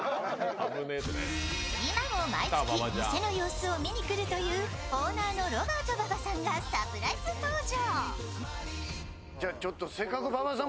今も毎月、店の様子を見に来るというオーナーのロバート馬場さんがサプライズ登場。